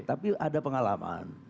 tapi ada pengalaman